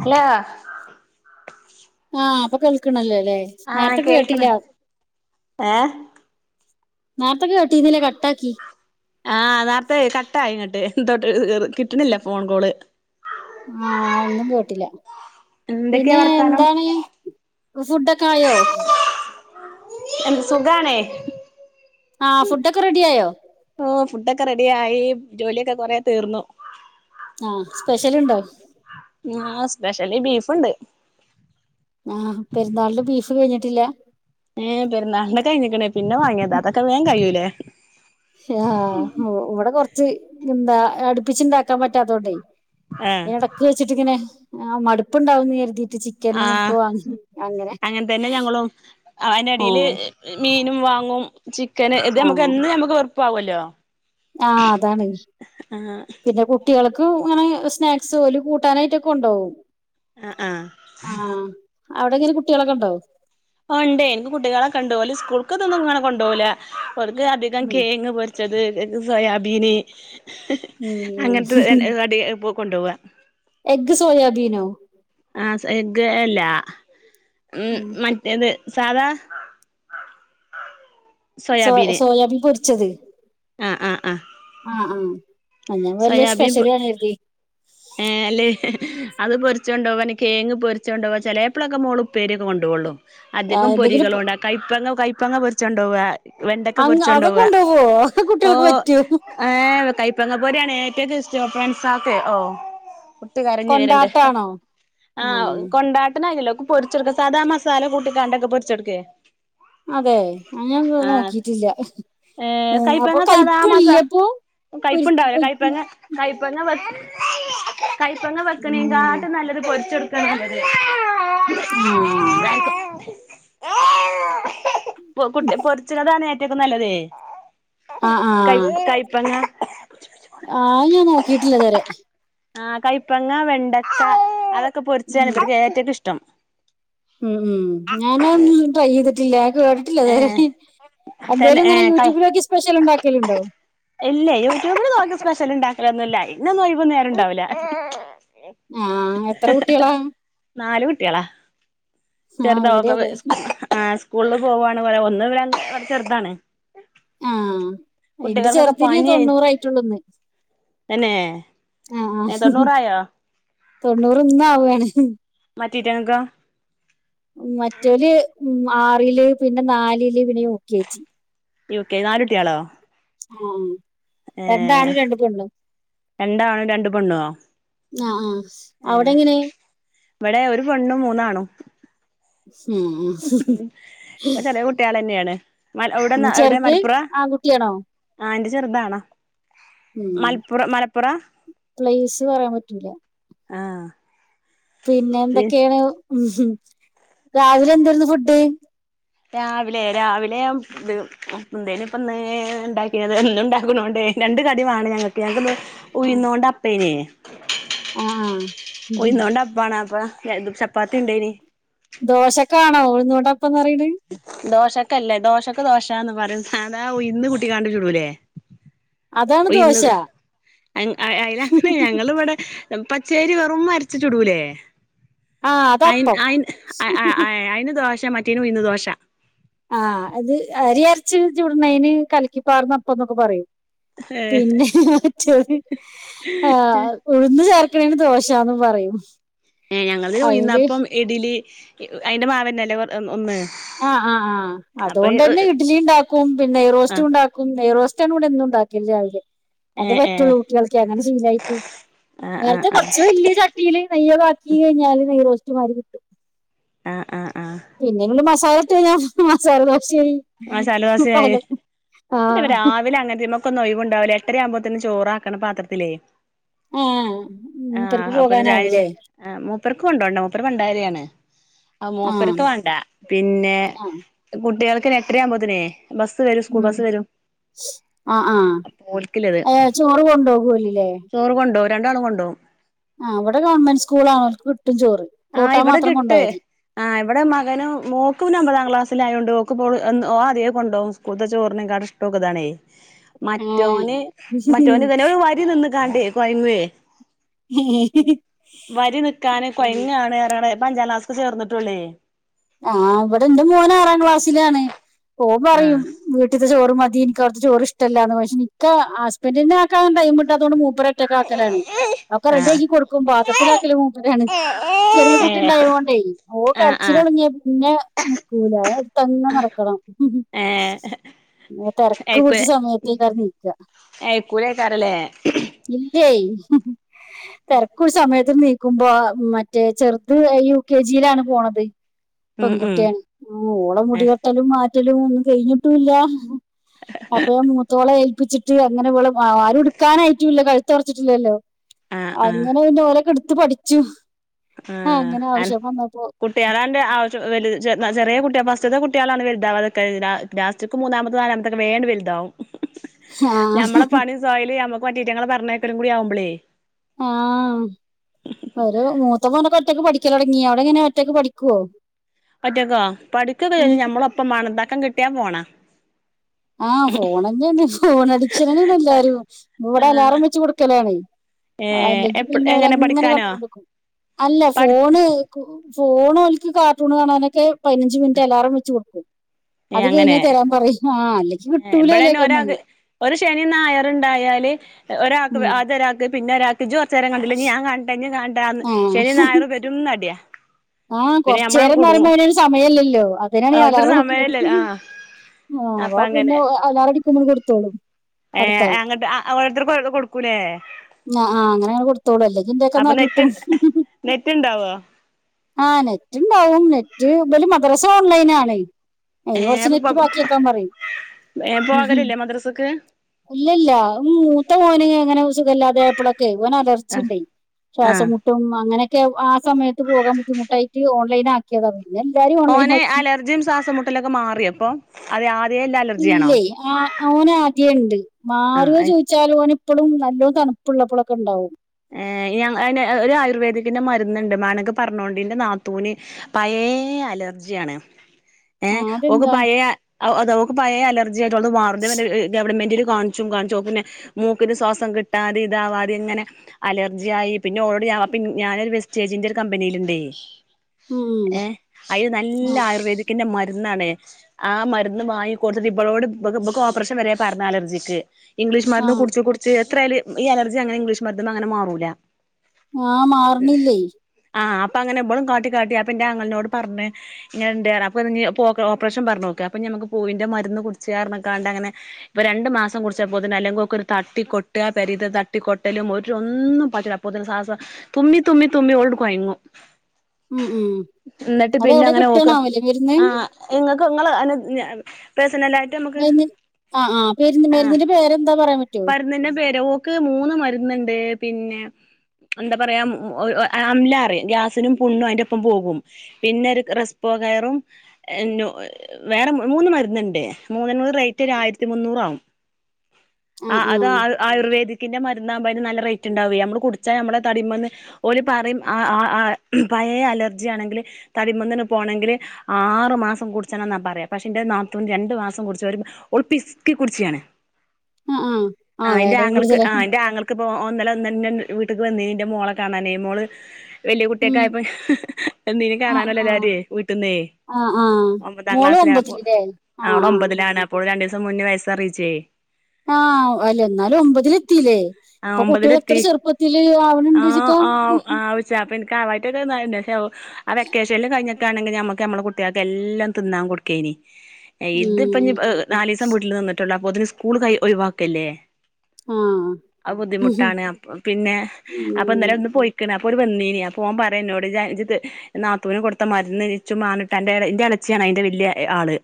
Hello ആഹ് അപ്പൊ കേൾക്കണല്ലോ അല്ലേ നേരത്തേക്ക് കേട്ടീല്ല ഏ നേരത്തെ കേട്ടീരുന്നില്ല കട്ടാക്കി ആഹ നേരത്തെ കട്ടായിങ്ങോട്ട് എന്തോട്ട് കിട്ടണില്ല ഫോൺ കോള് ആഹ ഒന്നും കേട്ടില്ല എന്തൊക്കെയാ പിന്നെ വർത്താനം എന്താണ് സ് ഫുഡൊക്കെ ആയോ എന്ത്‌ സുഖാണേ ആഹ് ഫുഡൊക്കെ റെഡി ആയോ ഓ ഫുഡൊക്കെ റെഡി ആയി ജോലിയൊക്കെ കൊറേ തീർന്നു ആഹ് സ്പെഷ്യൽ ഉണ്ടോ ആഹ് സ്പെഷ്യല് ബീഫുണ്ട് ആഹ പെരുന്നാളിന്റെ ബീഫ് കഴിഞ്ഞിട്ടില്ല ഏ പെര്ന്നാൾന്റെ കഴിഞ്ഞിക്ക്ണ് പിന്നെ വാങ്ങിയത അതൊക്കെ വേ കഴിയൂലെ ആഹ് ഓ ഇവിടെ കൊറച്ച് എന്താ അടുപ്പിച്ച് ഇണ്ടാക്കാൻ പറ്റാത്തോണ്ടേ ഏഹ് ഇടക്ക് വെച്ചിട്ടിങ്ങനെ ആ മടുപ്പുണ്ടാവന്ന് കരുതീ ആഹ് അങ്ങൻ തന്നെ ഞങ്ങളും അയ്‌ന്റെടിൽ ആഹ് മീ നും വാങ്ങും ചിക്കന് ഇത് നമ്മക്ക് എന്ന് നമ്മുക്ക് വെറപ്പാവുല്ലോ ആഹ അതാണ് പിന്നെ കുട്ടികള്ക്ക് അങ്ങനെ സ്നാക്സ് ഓലു കൂട്ടാനായിട്ടൊക്കെ കൊണ്ടോവും ആ ആഹ അവിടെങ്കിലും കുട്ടികളൊക്കെ ഉണ്ടോ ആ ഉണ്ടേ എനിക്ക് കുട്ടികളെ ഇണ്ട് ഓല് സ്കൂൾക് ഇതൊന്നു അങ്ങനെ കൊണ്ടോല ഓല്ക് അധികം ഉം കേങ്ങ് പൊരിച്ച ച്ചത് സോയാബീന് ഹ്ഹ്‌ ഉം അങ്ങനത്തെ [unintelligible] കൊണ്ടോവാ എഗ് സോയാബീനൊ ആ എഗ്ഗ് അല്ല ഉം മറ്റേത് സാധാ സോ സോയാബീൻ പൊരിച്ചത് ആ ആ ആ ആഹ് ആ അ ഞാൻ വല്യ പൊ സ്പെഷ്യലാന്ന് കരുതി ഏഹ് അല്ലേ അത് പൊരിച്ച് കൊണ്ട്പോവാ കേങ് പൊരിച്ച കൊണ്ട്പോവാ ചെലേപ്പോളൊക്കെ മോള് ഉപ്പേരി ഒക്കെ കൊണ്ട്പോള്ളു ആ അധികം എന്തെങ്കിലും പൊരികളുംണ്ട കൈപ്പങ്ങ കൈപ്പങ്ങ പൊരിച്ചുണ്ടോവാ വെണ്ടെക്ക അങ്ങ് പൊരിച്ചോണ്ട് അതൊക്കെ പോവാ കൊണ്ടോവോ ഓ കുട്ടികൾക്ക് പറ്റോ ഏ കയപ്പങ്ങ പോരാണ് ക്കക്കസ്റ്റോ ഫ്രണ്ട്സക്കെഓ കുട്ടി കരഞ്ഞു വരണ്ട് കൊണ്ടാട്ടാണോ ആഹ ആഹ് കൊണ്ടാട്ടനായല്ലോ പൊരിച്ചെടുക്ക സാധാ മസാല കൂട്ടിക്കാണ്ടൊക്കെ പൊരിച്ചെടുക്കേ? അതെ അങ്ങനെന്നും ആഹ് നോക്കിട്ടില്ല ഏ അപ്പൊ കയ്പങ്ങ സാധാ മാസ കയ്പ്പില്ലേ അപ്പൊ പൊരിക്കും കയ്പ്പുണ്ടാവലേ പൊരിക്കും കയപ്പങ്ങ കയപ്പങ്ങ വ കൈപ്പെങ്ങ വെക്കണ ഉം കാട്ടും നല്ലത് പൊരിച്ച് കൊടുക്കണ നല്ലത് ആഹ് കുട്ടി പൊരിച്ചതാണ് ഏറ്റക്കെ നല്ലത് ആഹ ആഹ ഞാൻ നോക്കിട്ടില്ലേ ഇതരെ ആഹ കൈപ്പങ്ങ വെണ്ടക്ക അതൊക്കെ പൊരിച്ചാണ് ഉം ഇവർക്ക് ഏറ്റവു ഇഷ്ടം ഉം ഉം ഞാനന്നും ട്രൈ ചെയ്തിട്ടില്ലെ കേട്ടിട്ടില്ലതുവരെ ഏഹ് തന്നെ എന്തേലും ഏ ഇങ്ങനെ ക യൂട്യൂബിലോക്കി സ്പെഷ്യൽ ഉണ്ടാക്കൽ ഉണ്ടോ? ഇല്ലേ യൂട്യൂബില് നോക്കി സ്പെഷ്യൽ ഉണ്ടാക്കലൊന്നില്ല ഇന്നന്നോയിപ്പോ നേരണ്ടാവില്ല ആഹ എത്ര കുട്ടികളാ? നാല് കുട്ടികളാ ആഹ് ചെറുത ഇവിടെ അതെ [unintelligible] ആ സ്കൂളിൽ പോവുവാണ് പോല ഒന്ന് [unintelligible] ചെറുതാണ് ആഹ അയിന്റെ കുട്ടികൾക്കൊക്കെ ചെറുതിന് തൊണ്ണൂറായിട്ടുള്ളൂന്ന് എന്നെ ആഹ ആഹ തൊണ്ണൂർ ഇന്ന് ആവാണ് [unintelligible] മറ്റേല് ഉ ആറില് പിന്നെ നാലില് പിന്നെ യൂ കെ ജി യുക്കെ നാലുട്ടിയളോ? ആഹ ഏ രണ്ടണും രണ്ടു പെണ്ണോ. ആഹ ആ ഏ അവിടെങ്ങനെ. ഇവിടെ ഒരു പെണും മൂന്നാണും. ഉം ഉം ചെറയകുട്ട്യേലനെയാണ്. മ ഉം, എവിടെന്നാ എവിടെ ചെറുത് മലപ്പുറ ആൺകുട്ടിയാണോ ആ എന്റെ ചെറുതാണ്. ഉം പ്ലേസ് പറയാൻ പറ്റൂലാ. ആഹ. പിന്നെ എന്തൊക്കെയാണ് ഉമ്ഹ രാവിലെ എന്തായിരുന്നു ഫുഡ്. രാവിലെ രാവിലെ വി. ന്തേനി ഇപ്പ ഇണ്ടാക്കിയത് എന്നും ഉണ്ടാക്കണോണ്ടെ രണ്ട്കടിമാണം ഞങ്ങൾക്ക് ഞങ്ങക്കന്ന്. ഉയ്ന്നോണ്ട് അപ്പനെ. ആഹ. അപ്പ രണ്ടും ചപ്പാത്തി ഇണ്ടേനി. ദോശക്കാണോ ഉഴന്നോണ്ട്‌ അപ്പന്ന് പറയണെ. ദോഷക്കല്ല ദോശക് ദോശന്ന് പറയും സാധാ ഉയ്ന്ന് കൂട്ടിങ്ങാട്ട്ചുടുല്ലേ. അതാണ് ഉയന്ന് ദോശ ആ അയനാത്ത് ഞങ്ങൾ ഇവിടെ. പച്ചേരി വെറും അരച്ച്ചുടൂലേ. ആഹ് അയിന് അതപ്പം അയിന് ആ അയിന് ദോശ മറ്റേനു ഉയന്ന് ദോശ. ആഹ അത് അരി അരച്ച് ചുടുണെന് കലിക്കിപ്പാർന്നപ്പന്നൊക്കെ പറയും. പിന്നെ ചെ ആ ഉഴന്ന് ചേർക്ക. ന് ദോഷാന്ന് പറയും. ഏ ഞങ്ങള് അയില് ഉയന്നപ്പം ഇഡലി അയിന്റെ മാവന്നല്ലേ ഒന്ന്. ആഹ് ആ ആ് അപ്പൊ അതുകൊണ്ടന്നെ ഇഡലി ഇണ്ടാക്കും പിന്നെ ആ നെയ്റോസ്റ്റ് ഇണ്ടാക്കും നെയ്റോസ്റ്റാണ് ഇവിടെന്നുണ്ടാക്ക. ഏ അത് ഏ പറ്റുള്ളൂ കുട്ടികൾക്ക് അങ്ങനെ ശീലായിട്ട്. ആ ആ നേരത്തെ ആ കൊറച്ച് വല്യചട്ടീല് നെയൊക്കെ ആക്കി കഴിഞ്ഞാല് നെയ്യറോസ്റ്റ്മാരി കിട്ടും. ആ ആ. പിന്നെണ്ട് മസാലട്ടയിഞ്ഞ മസാല. ദോശയായി ആഹ പല മസാലോഷായി ആ പിന്നെ രാവിലെ അങ്ങനെത്തൊക്കൊന്നും ഒഴവണ്ടാവില്ല എട്ടരയാവുമ്പോ. ത്തിന് ചോറാക്കണം പാത്രത്തിലേ. ആ ആഹ മൂപ്പർക്ക് അപ്പ പോകാനാവൂലേ മൂപ്പർക്കും കൊണ്ടോണ്ട മൂപ്പർ പണ്ടാരയാണ്.. ആ മൂപ്പരക്ക വേണ്ട പിന്നെ ആ കുട്ട്യേൾക്ക് എട്ടരയാമ്പതിനേ. ബസ്സ് വരും ഉസ്കൂൾ ബസ്സ് വരും. ആഹ ആഹ അപ്പോൽക്കില്ലത് ഏ ചോറ് കൊണ്ടോവോൽ ല്ലേ. ചോറ് കൊണ്ടോവും രണ്ടാളും കൊണ്ടോവും. ആ ഇവിടെ ടെ ഗവൺമെന്റ് സ്കൂളാണ്. കിട്ടും ചോറ് ആഹ് കൂട്ടാൻ ഇവിടെ മാത്രം കിട്ട് കൊണ്ടുപോയാൽ മതി ആ ഇവിടെ മകനും മോ നൂഒമ്പതാം ക്ലാസിലായോണ്ട്‌ ഓക്കപ്പോ പോ ഓ അതെ കൊണ്ടോക ഉസക്കുത്തേ ചോറിനേക്കാട്ടിലും ഇഷ്ടോകിതാണെ. ആ മറ്റോന് മറ്റോന് ഇവന് വരി നിന്ന്ക്കാണ്ടേ കൊഴങ്ങുവേ. വരി നിക്കാൻ കൊയ്. ഉം. ണറിയാ ഇപ്പോ അഞ്ചംക്ലാസ്ക്ക് ചേർന്നിട്ടുള്ളേ. ആഹ് ഇവിടെ എന്റെ മോന് ആറാം ക്ലാസ്സിലാണ് പോ ഓൻ പറയും ആഹ് വീട്ടിലത്തെ ചോ റ് മതി എനിക്കടത്തെ ചോർ ഇഷ്ടല്ലാന്ന് പക്ഷേനിക്ക ഹസ്ബന്റിനാക്കാൻ ടൈം കിട്ടാത്തൊടെ മൂ മൂപ്പരറ്റക്ക ആക്കലാണ് അവക്ക് റെഡിയ ആഹ് ആക്കി കൊടുക്കും പാത്രത്തില ആക്കല് മൂപ്പരാണ്. ചെറിയ ഏഹ് കുട്ടിണ്ടായോണ്ടേ ഓൻ ആഹ് ആഹ് കരച്ചിലൊടങ്ങിയപ്പോ പിന്നെ നക്കൂല എടുത്തങ്ങനടക്കണം. ഏഹ് നെ തെരക്ക് പിടിച്ച സമയത്തെകെനി. ആയികുലെരാക്കും ലെ. ഹയ് തെരകുടിച്ചേ സമയത്ത നീ- ക്കുമ്പോ മറ്റേ ചെറുത് യു കെ ജി യിലാണ് പോണത്. ഉം ഉം പെൺകുട്ടിയാണ് ഓള ഏഹ് മുടികെട്ടലും മാറ്റലും ഒന്നും കഴിഞ്ഞിട്ടുല്ല. അപ്പ മൂത്തോള ആ..... ഉപ്പിച്ചിട്ട് അങ്ങനെ പോ ആരുംടുക്കാനായിട്ട ഇല്ല കഴുത്തുറച്ചിട്ടില്ലല്ലോ....... ആഹ് അങ്ങനെ അന്ന ഓരൊക്കെ എടുത്ത് പഠിച്ചു....... ആ, അങ്ങനെ ആ ആവശ്യം വന്നപ്പോ കുട്ടിയാണ്ന്റെ.. വലു ചെറിയ കുട്ടിയ ഫസ്ത്തെ കുട്ടികളാണ് വലുതാവും അതെ ലാസ്റ്റിക്ക് മൂന്നാമത്തെ നാലാമത്തൊക്കെ വേണ്ട വലുതാവും..... ആ ഞമ്മള പണി സോയല് ഞമ്മക്ക് മറ്റേറ്റങ്ങൾ പറഞ്ഞേക്കലും കൂടി ആവുമ്പളേ..... ആഹ ഒരു മൂത്ത പോ..... ഒറ്റക്ക് പഠിക്കാടങ്ങിയ അവിടെ ഇങ്ങനെ ഒറ്റയ്ക്ക് പഠിക്കുവോ...... ഒറ്റക്കോ പഠിക്കക്കെ ഉം. ഞമ്മളൊപ്പം മണന്താക്കം കിട്ടിയാൻ പോണ.... ആഹ ഫോണന്നെയന്നെ ഫോണടിച്ച എല്ലാരും ഇവിടെ അലാറം ആഹ് വെച്ച് കൊടുക്കലാണ ഏഹ് അല്ലെങ്കി എപ്പ പിന്നെ ഒരു എങ്ങനെ അങ്ങനെ കണ്ട പഠിക്കാനോ കൊടുക്കും അല്ല പഠി ഫോണ് പോൺ ലക്ക് കാർട്ടൂൺ കാണാനൊക്കെ പതിനഞ്ച് മിനിറ്റ് അലാറം വെച്ച് കൊടുക്കും അത് കഴിഞ്ഞ തരാൻ പറയും ആ അല്ലെങ്കിൽ ഇവിടെ തന്നെ കിട്ടൂലല്ലേക്കൊന്ന് ഒരാൾക്ക് ഒരു ശനിയ നായർുണ്ടായാല് ഒരാൾക്ക് ഉം ആതൊരാൾക്ക് പിന്നെ രാഖിജു കുറച്ചു നേരം കണ്ടില്ല ഞാൻ കണ്ടട്ട ഇനി കാണ്ടട്ടാന്ന് ശനി ഞായർ വരും അടിയാ ആഹ് പിന്നെ കൊറു നമ്മളാണ് നേരംന്ന് കുടുങ്ങും പറുമ്പോൾ അനൊ സമയമല്ലോ അതിനെയാണഅലാറ [unintelligible] ആ ആ അപ്പൊ അ അങ്ങനെ പിന്നെ എല്ലാവര അടിക്കുമ്പോൾ കൊടുത്തോളും ഏ അടുത്ത ആൾ അങ്ങട്ട് ഓരോരുത്തർക്കും ഓരോന്ന് കൊടുക്കൂലേ ആ ആ അങ്ങനെെ കൊടുത്തോളൂ അല്ലെങ്കി ഇന്റെയൊക്കെ അപ്പൊ നെറ്റ് മടിയിട്ടും ഹി ഹി നെറ്റ് ഇണ്ടാവോ ആഹ നെറ്റ് പോവും നെറ്റ് മദ്രാസ ഓൺലൈൻ ആണ് ഏയ് ഏ അപ്പൊ കുറച്ചിനെറ്റ് ബാക്കിയൊക്കാൻ പറയും. ഏ പോകലില്ലേ മദ്രസക്ക് ഇല്ല ഇല്ല മൂത്ത പോന എങ്ങനെ സുഖല്ലാതെ എപ്പഴൊക്കെ ഓൻ അലർജി ആ ഉണ്ടായി ആ ശ്വാസംമുട്ടും അങ്ങനെയൊക്കെ ആ സമയത്ത് പോകാൻ ബുദ്ധിമുട്ടായിട്ട് ഓൺലൈൻ ആക്കിയത ഓനെ അലർജിയും ശ്വാസംമുട്ടലൊക്കെ മാറി അപ്പൊ അത ആദ്യ എല്ല അലർജിയ ആണോ അവന്ആദ്യണ്ട് മാറോ അത് ചോദിച്ചാലും ഓൻ ഇപ്പോളും നല്ല തണുപ്പുള്ളപ്പോഴൊക്കെ ഉണ്ടാവും..... ഏർ ഞ ഒരു ആയുർവേദിക്കിന്റെ മരുന്ന്ണ്ട് മേനക് പറഞ്ഞോണ്ട്ന്റെ നാത്തൂന്. പയേ ഏ അലർജിയാണ്...... ഏ ആ ഓക്ക് അതെന്താ പഴയ [unintelligible] ഓക്ക് പഴയ അലർജി ആയിട്ട് ഒള്ളത് [unintelligible] ഗവൺമെന്റിൽ കാണിച്ചും കാണിച്ചു. പിന്നെ ഓക്ക് മൂക്കിന് ശ്വാസം കിട്ടാതെ. ഇന്താവതിം അലർജിയ ആയി പിന്നെ ഒള്ളോട്ട് ഞാൻ പി ഞാനൊരു വെസ്റ്റേജിന്റെ ഒരു കമ്പനില്ല്ണ്ടേ..... ഉം ഏ അതിൽ ആ നല്ല. ആയുർവേദിക്കിന്റെമ മരുന്നണ്, ആ മരുന്ന് വാങ്ങി കൊടുത്തട്ട് ഇളോട്ക്ക്. ഇബക്ക് ഓപ്പറേഷൻ വരെ പറഞ്ഞന്നാണ് അലർജിക്ക്. ഇംഗ്ലീഷ് ആ മരും കുടിച്ച് കുടിച്ച്. എത്രയായലിം ഈ അലർജി അങ്ങനെഇംഗ്ലീഷ് മരുന്നും അങ്ങനെ മാറൂല ആഹ മാറണില്ലേ...... അപ്പോ, അങ്ങനെഇബളും കാട്ടിക്കട്ടി. അപ്പോ എന്റെ അങ്ങളിനോട് പറ ഇങ്ങന്നെണ്ട അപ്പനി ഓക്ക് ഓപ്പറൻ പറഞ്ഞു, ഓക്ക് അപ്പോനി. പൂവിന്റെമരുന്ന്, കുടിച്ചർന്ന്കാണ്ട് അങ്ങനെ ഇപ്പൊ രണ്ട് മാസം കുച്ചപ്പോത്തിന്ന് അല്ലെങ്കക്കെ ഒരു തട്ടി കൊട്ട. പേരിതേ തട്ടിക്കൊട്ടലും. ഒ ഒന്നും പറ്റൂല്ല അപ്പോന്ന സസം തുമ്പി തുമ്പി തുമ്പി ഉള്ങ്ങ്ണ്ട് കോയങ്ങും..... ഉം ഉം. എന്നിട്ട് അത് പിന്നെ എവിടെ അങ്ങനെ ഓക്ക് കിട്ടണാവല്ലേ മരുന്ന് അ ഇങ്ങക്ക് ഇങ്ങള് ഇ [unintelligible] പേഴ്സണലയിട്ട് നമ്മക്ക്. മരുന്ന് ആ ആ മരുന്ന് ആഹ മരുന്നിന്റെ പേരെന്താ പറയാൻ പറ്റുമോ മരുന്നിന്റെ പേരോ, വോക്ക് മൂന്ന് മരുന്നുണ്ട്..... പിന്നെ.. എന്താ പറയാ [unintelligible] അംല്ല, റ ഗ്യാസിനും പുണ്ണും അതിന്റെ ഒപ്പം പോകും പിന്നെ. ഒരു റെപ്പോ [unintelligible] വേറെ മൂന്ന് മരുരുന്നുണ്ട് മൂന്നിനുടെ റേറ്റ് ആയിരത്തി മുന്നൂറ വും. ആഹ് അത ആ ആയുർവേദി...... ന്റെ മരുന്നകുമ്പോഅതിന്ന്, നല്ല റേറ്റ് ഉണ്ടാവേ. നമ്മള് കുടിച്ചാൽ നമ്മളെ തടിമന്ന് ഒല്ല്പറയും. അ അ പയേ അലർജി ആണെങ്കിൽ തടിമുന്നിന് പോകണെങ്കില്ല് ആറ്മാസം കുടിച്ചണന്ന പറയ പക്ഷേ എന്റെ നാത്തൂ രണ്ടു മാസം കുടിച്ച അവൾ പിസ്ക്കി കുടിച്ചിയാണ്....... ആ ആ ആ ആഹ് എന്റെ വില ആങ്ങൾക്ക് കൂടുതലാ ആ് എന്റെ ആങ്ങൾക്ക് ഇപ്പോ ഒന്നല ഒന്നന്ന വീട്ടിലക്ക്, വന്നിനു തിൻ്റെ മോളെ കാണാനേ മോള്. വല്യ കുട്ടിയക്കെ ഉം ആയപ്പൊ വന്നിനു ആ ആ കാണാനല്ലാര് വീട്ട്ന്ന് ആ ആ ഒമ്പതാം മോള് ക്ലാസ്സിലാണ് അപ്പോ ഒമ്പതിലല്ലേ ആ അ ഓള് ഒമ്പതിലാണ് അപ്പോഓള് രണ്ടു ദിവസം മുന്നേ വയസ്സറിയിച്ചേ ആഹ അല്ല എന്നാലും ഒമ്പതില എത്തില്ലേ ആഹ് ഇപ്പൊ കുട്ടികൾ എത്ര ചെറുപ്പത്തിൽ അവന ഉണ്ടച്ചിട്ടാ ആ ആച്ചാ ഇച്ച് ആവയിട്ടൊക്കെ ആ വെക്കേഷനും കഴിഞ്ഞ [unintelligible] നമ്മക്ക്മ്മുടെ കുട്ടികൾക്ക് എല്ലാം തിാൻ കൊടുക്കേന് ഉം ഇതിപ്പൊ ഇ നാലിവസം വീട്ടിൽ നിന്നിട്ടുള്ളൂ അപ്പൊ അതിന് സ്കൂൾ കൈ ഒഴിവാക്കല്ലേ ആ ആഹ്, ഉം ബുദ്ധിമുട്ടാണ് അപ്പൊ പിന്നെഅപ്പോ, ഇന്നലെ ഒന്ന് പോയിക്ണ്. ഓല്, വന്നിനി അപ്പൊ ഓൻ പറയാ എന്നോട്, ഇജ്ജ് ജ്ജ നാത്തൂവിന് കൊടുത്ത മരുന്ന് ഇച്ചും മണട്ടോ, അന്റെ ന്റെ ഇളേച്ചിയാണ്. അന്റെ വെല്യ എഅള്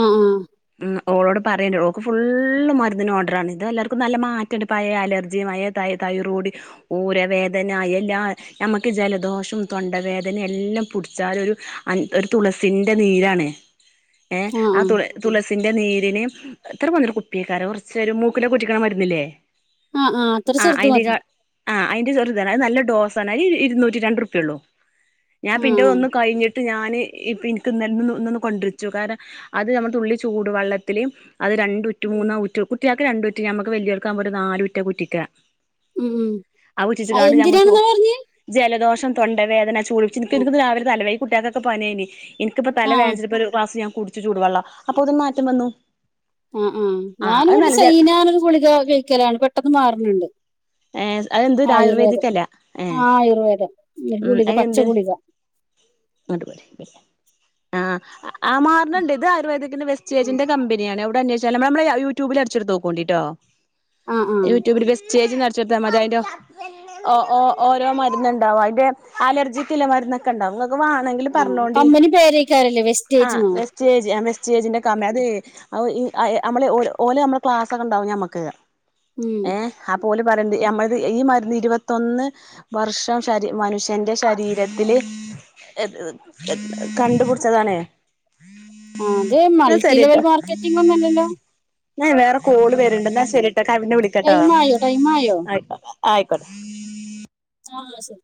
ആഹ് ആഹ് മം ഒള്ളോട്ട് പറെ ക്ക് ഫുള്ള്മരുന്നിന്ന്, കോണ്ട്രന്ന് ഇത് എല്ലർക്കും നല്ല മാറ്റെണ്ട്, പയേ അലർജി പയേ തൈ തൈറോടി ഊരവേദന, എല്ലാ നമുക്ക് ജലദോഷം തൊണ്ടവേദന എല്ലാം പിടിച്ചാലും ഒരു അ ഒരു, തുളസിന്റെ നിര്ണ് എ ആഹ് ആ ആഹ് തുള തുളസിന്റെ, നിര്ന്ന്. എത്ര, പ്പോന്നരു കുപ്പിക്കാരം. കുറച്ചൊരു മൂക്കിലോകേ ഒറ്റികുന്ന് മരുന്നില്ലേ. ആഹ് ആഹ് അത്ര ആ, ചെറുത് അയിന്റെ മതി ആ അയിന്റെ ചെറുതന്നെ. അത് നല്ലഡോസ് [unintelligible] ഇരുന്നൂറ്റി രണ്ട്പ്യ ഉള്ളൂ ഞാൻ ആഹ് പിന്നെ ഒന്ന് കഴിഞ്ഞിട്ട് ഞാന്. ഇ എനിക്ക് ഇന്ന് ഇന്ന് കൊണ്ടിരിച്ചു. കാര അത് നമ്മള് തുള്ളി ചൂട് വെള്ളത്തില്. അത്, രണ്ട് ഉറ്റ് ആഹ് മൂന്നൊ ഉറ്റ് കുട്ട്യക്ക് രണ്ട് ഉറ്റ് ഞമുക്ക് വല്യർക്ക് നാലുറ്റ് ക്കെറ്റിക്കാ. ഉം ഉം ആ ഉച്ചിച്ച് അത് ങ്ങണ്ട് ഞമ്മൾ ചോ എന്തിനാണെന്ന ജലദോഷം. തൊണ്ടവേദന, ച്ചു [unintelligible] എനിക്ക് രാവെ തല ഈ കുട്ട്യാകോക്കെ പഞ്ഞനി എനിക്കിപ്പോ തല ആഹ് വേദനി ച്ച് ഇപ്പോ രു ക്ലാസ് ഞ കുടിച്ചു ചൂടുവെള്ള അപ്പൊതനെ, മാറ്റം വന്നു. ആ ആ ആഹ് അത് ഞാനിവിടെ, നല്ല ജ സൈനാനൊരു ഗുളിക കഴിക്കലാണ് പെട്ടെന്ന് മാറണണ്ട്. ഏ, അതെന്ത് ആയുർവേദിക്കല്ല എ ആഹ് ആയുർവേദം ഒരു ഉം ഗുളിക പച്ച അതെന്ത് ഗുളിക അ [unintelligible] ല്ല ആ ആ മാറണണ്ട് ഇത് ആയുർവേദത്തിന്റെ വെസ്റ്റ്റ്റേജിന്റെ കമ്പനിയാണ് അന്വേഷ നമ്മ യൂട്യൂബിൽ അട്ചൊട്ത്തൊക്കേണ്ടിട്ടോ ആഹ് ആഹ് യൂട്യൂബിൽ വെസ്റ്റേജ് അ ചെുത്താ മതി അതിൻന്റെോ ഓ ഓ ഓരോ മരുന്ന് ഉണ്ടാവും അതിന്റെ അലർജിക്ക്ല്ലെ മരുന്നൊക്കെ ഉണ്ടാവും ങ്ങ ക്ക് വണെങ്കിൽ ആഹ് പറഞ്ഞോണ്ടി കമ്പനി പേരേക്കാരല്ലേ ആ വെസ്റ്റേജ്ന്നോ വെസ്റ്റേജ് ആ വെസ്റ്റേസ്ജൻ്റെ ക അത് അ അ ഒ നമ്മള് ഓലെ നമ്മള് ക്ലാസൊക്കെണ്ടാവും മ്മക്ക് ഉം ത് ഈനമ്മൾ ത് ഈ മരുന്ന് ഇരുപത്തൊന്ന് വർഷം ശര മനുഷ്യന്റെ ശരീരത്തില് എ ത്ത കണ്ടുപടിച്ചതണേ ആ അത് മൾട്ടി ലെവൽ മാർക്കറ്റിംഗ് ഒന്നുംല്ലല്ലോ വേറെ കോള് വര്ണ്ട് എന്നാ ശരിട്ടൊക്കെ അ പിന്നെ വിളിക്കട്ടോ ടൈം ആയോ ടൈം ആയോ ആയിക്കോട്ടെ ആ സരി